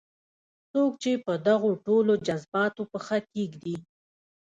څوک چې په دغو ټولو جذباتو پښه کېږدي.